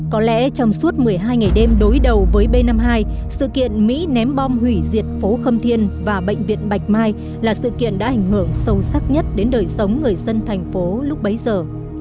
có lẽ trong suốt một mươi hai ngày đêm đối đầu với b năm mươi hai sự kiện mỹ ném bom hủy diệt phố khâm thiên và bệnh viện bạch mai là sự kiện đã ảnh hưởng sâu sắc nhất đến đời sống người dân thành phố lúc bấy giờ